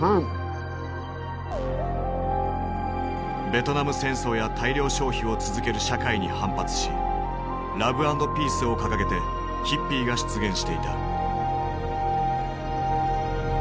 ベトナム戦争や大量消費を続ける社会に反発し「ラブ＆ピース」を掲げてヒッピーが出現していた。